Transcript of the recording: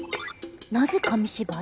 なぜ紙芝居？